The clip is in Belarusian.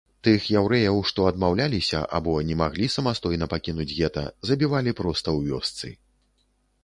Тых яўрэяў, што адмаўляліся або не маглі самастойна пакінуць гета, забівалі проста ў вёсцы.